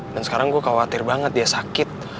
dan sekarang gue khawatir banget dia sakit